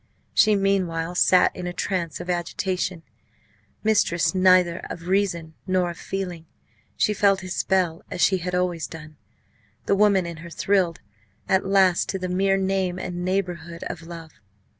She meanwhile sat in a trance of agitation, mistress neither of reason nor of feeling. She felt his spell, as she had always done. The woman in her thrilled at last to the mere name and neighbourhood of love.